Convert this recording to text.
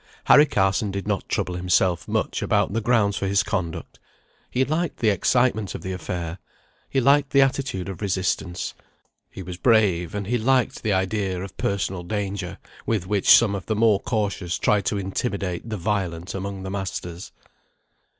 Harry Carson did not trouble himself much about the grounds for his conduct. He liked the excitement of the affair. He liked the attitude of resistance. He was brave, and he liked the idea of personal danger, with which some of the more cautious tried to intimidate the violent among the masters.